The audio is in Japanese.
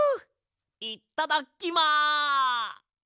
いっただっきま。